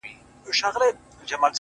که دا دنیا او که د هغي دنیا حال ته ګورم؛